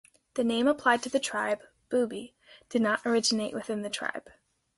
The name applied to the tribe, "Bubi", did not originate from within the tribe.